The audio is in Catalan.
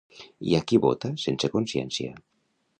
Hi ha qui vota sense consciència.